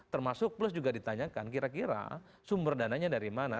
termasuk plus juga ditanyakan kira kira sumber dananya dari mana